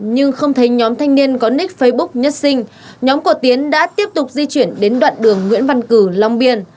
nhưng không thấy nhóm thanh niên có nick facebook nhất sinh nhóm của tiến đã tiếp tục di chuyển đến đoạn đường nguyễn văn cử long biên